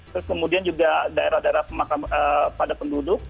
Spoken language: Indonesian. terus kemudian juga daerah daerah pada penduduk